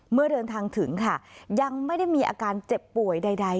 เมื่อเดินทางถึงค่ะยังไม่ได้มีอาการเจ็บป่วยใด